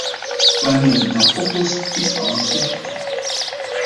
Wanneer u dat oplost, is alles in orde.